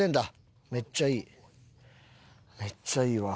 めっちゃいいわ。